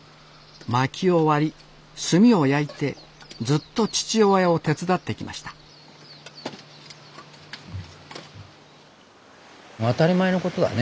薪を割り炭を焼いてずっと父親を手伝ってきました当たり前のことだね。